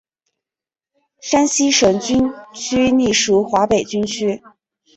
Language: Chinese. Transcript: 山西省军区隶属华北军区。